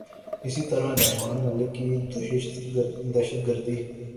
اسی طرح رحمان ملک کی دہشت گردی